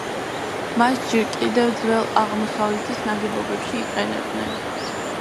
მას ჯერ კიდევ ძველ აღმოსავლეთის ნაგებობებში იყენებდნენ.